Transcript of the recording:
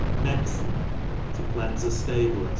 Mex^n, to cleanse a stable, 4 c.